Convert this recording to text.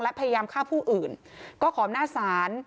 และพยายามฆ่าผู้อื่นก็ขอบหน้าศาล